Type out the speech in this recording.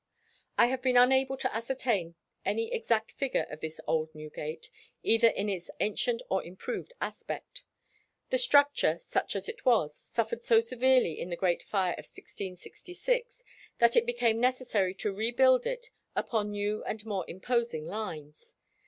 I have been unable to ascertain any exact figure of this old Newgate, either in its ancient or improved aspect. The structure, such as it was, suffered so severely in the great fire of 1666 that it became necessary to rebuild it upon new and more imposing lines.